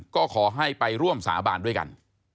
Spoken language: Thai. ก็ขอให้ไปร่วมสาบานด้วยกัน